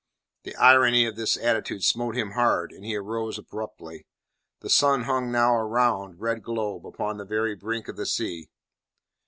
The irony of his attitude smote him hard, and he rose abruptly. The sun hung now a round, red globe upon the very brink of the sea.